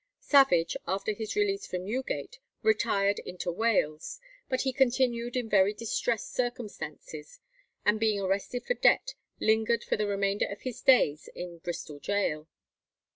Savage, after his release from Newgate, retired into Wales, but he continued in very distressed circumstances, and being arrested for debt, lingered for the remainder of his days in Bristol Gaol.